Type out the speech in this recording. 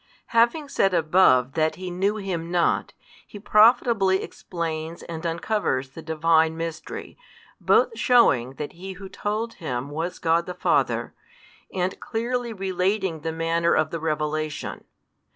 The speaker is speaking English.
Having said above that he knew Him not, he profitably explains and uncovers the Divine Mystery, both shewing that He Who told him was God the Father, and clearly relating the manner of the revelation.